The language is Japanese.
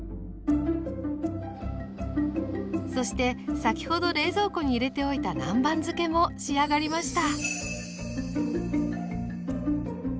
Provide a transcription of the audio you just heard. そして先ほど冷蔵庫に入れておいた南蛮漬けも仕上がりました。